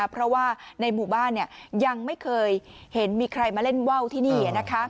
เพราะว่าในหมู่บ้านยังไม่เคยเห็นมีใครมาเล่นว่าวที่นี่